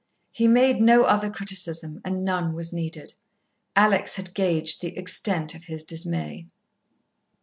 He made no other criticism, and none was needed. Alex had gauged the extent of his dismay.